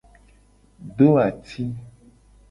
Do ati.